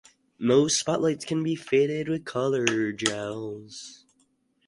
Most spotlights can be fitted with colour gels.